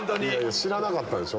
知らなかったでしょ。